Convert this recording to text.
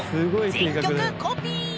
全曲コピー。